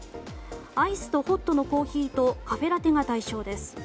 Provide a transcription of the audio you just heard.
アイスとホットのコーヒーとカフェラテが対象です。